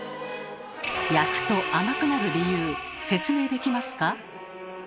焼くと甘くなる理由説明できますか？